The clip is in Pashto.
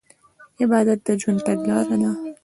عبادت د ژوند تګلاره ده.